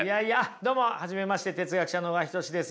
どうも初めまして哲学者の小川仁志です。